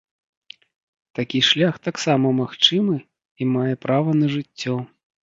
Такі шлях таксама магчымы і мае права на жыццё.